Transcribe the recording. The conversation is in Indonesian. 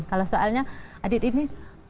kalau soalnya adit ini